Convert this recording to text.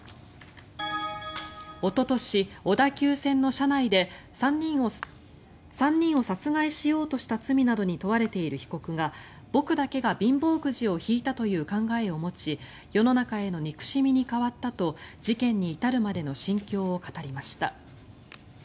おととし、小田急線の車内で３人を殺害しようとした罪などに問われている被告が僕だけが貧乏くじを引いたという考えを持ち世の中への憎しみに変わったと事件に至るまでの心境を語りました。